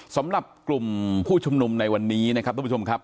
สำหรับกลุ่มผู้ชุมนุมในวันนี้นะครับทุกผู้ชมครับ